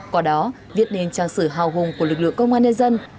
qua đó viết nên trang sử hào hùng của lực lượng công an nhân dân